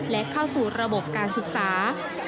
และเข้าสู่ระบบการศึกษา